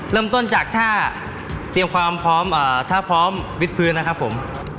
เริ่มต้นจากถ้าเตรียมความพร้อมถ้าพร้อมวิดพื้นนะครับผม